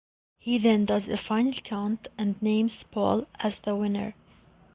He then does a final count, and names Paul as the winner.